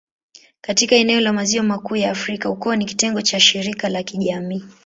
Katika eneo la Maziwa Makuu ya Afrika, ukoo ni kitengo cha shirika la kijamii.